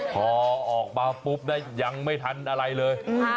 พอออกมาปุ๊บนะยังไม่ทันอะไรเลย